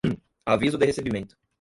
aviso de recebimento